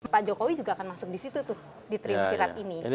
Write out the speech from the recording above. pak jokowi juga akan masuk di situ tuh di trim viral ini